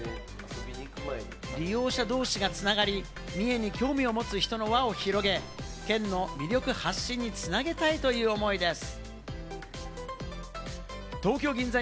利用者同士が繋がり、三重に興味を持つ人の輪を広げ、県の魅力発信に繋げたいという思いです。